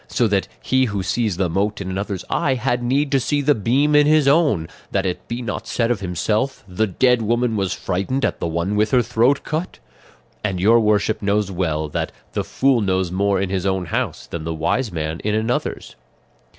So that he 'who sees the mote in another's eye had need to see the beam in his own,' that it be not said of himself, 'the dead woman was frightened at the one with her throat cut;' and your worship knows well that 'the fool knows more in his own house than the wise man in another's.